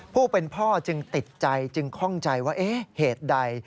ผู้เป็นพ่อจึงติดใจจึงคล่องใจว่าเหตุใด